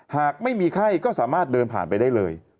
หากไม่มีไข้ก็สามารถเดินผ่านไปได้เลย